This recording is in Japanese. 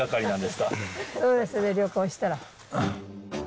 そうですね、旅行したら。